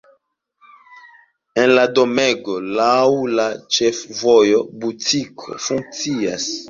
En la domego laŭ la ĉefvojo butikoj funkcias.